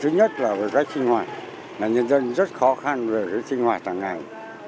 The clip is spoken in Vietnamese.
nhân dân rất khó khăn với sinh hoạt hàng ngày